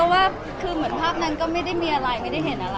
ว่าคือเหมือนภาพนั้นก็ไม่ได้มีอะไรไม่ได้เห็นอะไร